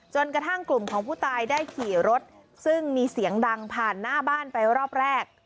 จนกระทั่งกลุ่มของผู้ตายได้ขี่รถซึ่งมีเสียงดังผ่านหน้าบ้านไปรอบแรก